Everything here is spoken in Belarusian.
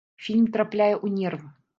Фільм трапляе ў нерв.